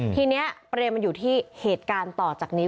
ทีนี้ประเด็นมันอยู่ที่เหตุการณ์ต่อจากนี้